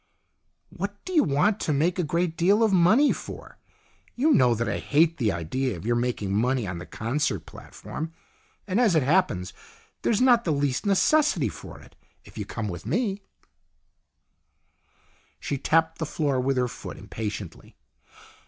"What do you want to make a great deal of money for? You know that I hate the idea of your making money on the concert platform. And, as it happens, there is not the least necessity for it. If you come with me " She tapped the floor with her foot impatiently.